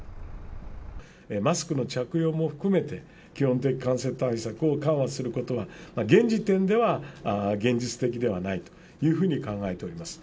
マスクの着用も含めて、基本的感染対策を緩和することは、現時点では現実的ではないというふうに考えております。